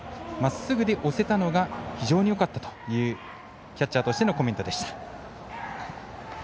まっすぐで押せたのが非常によかったというキャッチャーとしてのコメントでした。